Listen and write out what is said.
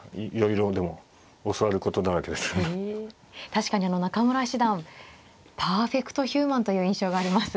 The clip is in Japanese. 確かに中村七段パーフェクトヒューマンという印象があります。